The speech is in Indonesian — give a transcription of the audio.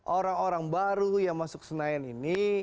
orang orang baru yang masuk senayan ini